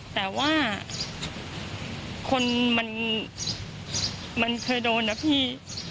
แต่ว่าคนมันเคยโดนนะพี่